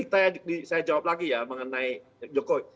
saya jawab lagi ya mengenai jokowi